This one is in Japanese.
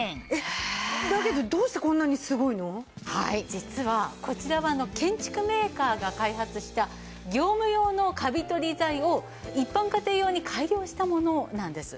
実はこちらは建築メーカーが開発した業務用のカビ取り剤を一般家庭用に改良したものなんです。